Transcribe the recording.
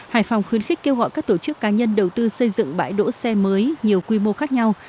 hải phòng khuyến khích kêu gọi các tổ chức cá nhân đầu tư xây dựng bãi đỗ xe mới nhiều quy mô khác nhau